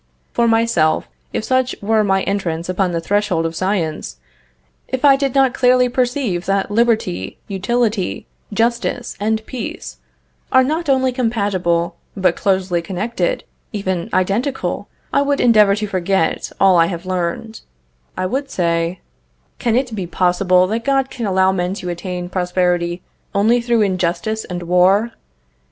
For myself, if such were my entrance upon the threshold of science, if I did not clearly perceive that Liberty, Utility, Justice, and Peace, are not only compatible, but closely connected, even identical, I would endeavor to forget all I have learned; I would say: "Can it be possible that God can allow men to attain prosperity only through injustice and war?